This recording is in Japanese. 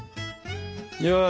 よし！